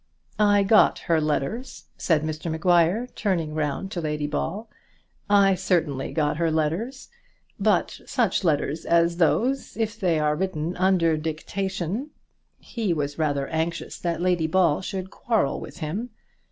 "I got her letters," said Mr Maguire, turning round to Lady Ball. "I certainly got her letters. But such letters as those, if they are written under dictation " He was rather anxious that Lady Bell should quarrel with him.